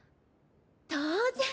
当然！